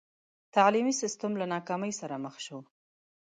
تعلیمي سسټم له ناکامۍ مخ شو.